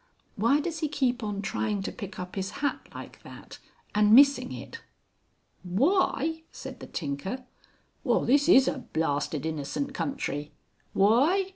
Why does he keep on trying to pick up his hat like that and missing it?" "Why!" said the tinker. "Well this is a blasted innocent country! _Why!